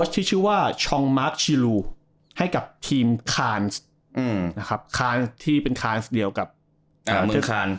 ที่ชื่อว่าให้กับทีมอืมนะครับที่เป็นเดียวกับอ่ามือคาน